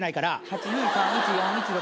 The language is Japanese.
８２３１４１６。